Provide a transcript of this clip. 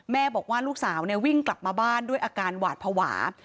บอกว่าลูกสาววิ่งกลับมาบ้านด้วยอาการหวาดภาวะ